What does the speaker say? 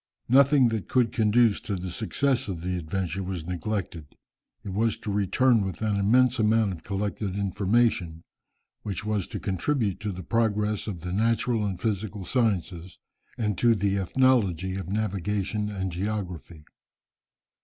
Nothing that could conduce to the success of the adventure was neglected. It was to return with an immense amount of collected information, which was to contribute to the progress of the natural and physical sciences, and to the ethnology of navigation and geography.